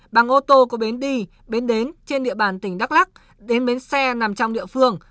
bằng ô tô có bến đi bến đến trên địa bàn tỉnh đắk lắc đến bến xe nằm trong địa phương